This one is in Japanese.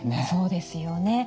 そうですよね。